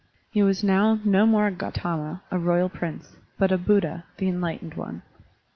He was now no more Gautama, a royal prince, but a Buddha, the enlightened one.